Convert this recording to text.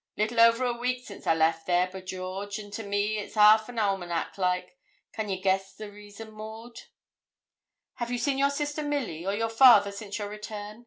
'Little over a week since I left here, by George; and to me it's half the almanac like; can ye guess the reason, Maud?' 'Have you seen your sister, Milly, or your father, since your return?'